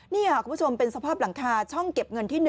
นี่ค่ะคุณผู้ชมเป็นสภาพหลังคาช่องเก็บเงินที่๑